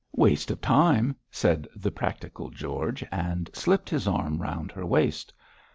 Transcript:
'Waste of time,' said the practical George, and slipped his arm round her waist.